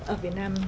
ở việt nam